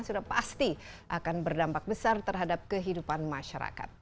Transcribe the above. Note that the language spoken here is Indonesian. sudah pasti akan berdampak besar terhadap kehidupan masyarakat